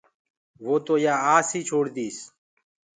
وو تو يآ آس ئي ڇوڙ ديس۔